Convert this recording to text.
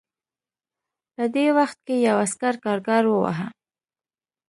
په دې وخت کې یو عسکر کارګر وواهه